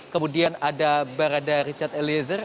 kemudian ada barada richard eliezer